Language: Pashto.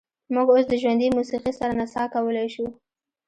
موږ اوس د ژوندۍ موسیقۍ سره نڅا کولی شو